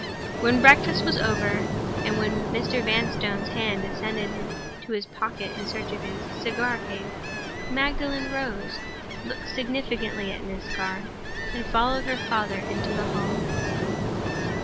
When breakfast was over, and when Mr. Vanstone's hand descended to his pocket in search of his cigar case, Magdalen rose; looked significantly at Miss Garth; and followed her father into the hall.